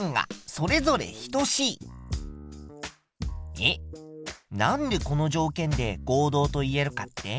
えっなんでこの条件で合同と言えるかって？